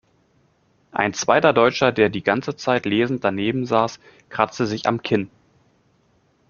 Ein zweiter Deutscher, der die ganze Zeit lesend daneben saß, kratzt sich am Kinn.